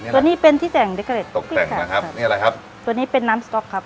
ตัวนี้เป็นที่แต่งดิเกร็ตตกแต่งนะครับนี่อะไรครับตัวนี้เป็นน้ำสต๊อกครับ